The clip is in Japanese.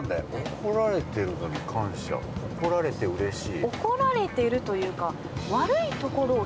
怒られてるのに感謝、怒られてうれしい？